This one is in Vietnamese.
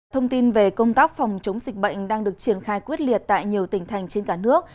thông tin về công tác phòng chống dịch bệnh đang được triển khai quyết liệt tại nhiều tỉnh thành trên cả nước